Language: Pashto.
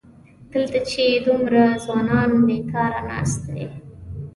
دلته چې دومره ځوانان بېکاره ناست وي.